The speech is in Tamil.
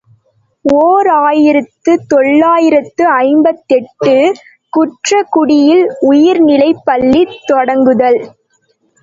ஓர் ஆயிரத்து தொள்ளாயிரத்து ஐம்பத்தெட்டு ● குன்றக்குடியில் உயர்நிலைப்பள்ளி தொடங்குதல்.